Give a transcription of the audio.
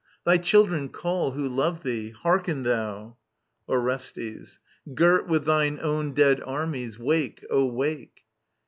Thy children call, who love thee : hearken thou I Orbstbs. Girt with thine own dead armies, wake, O wake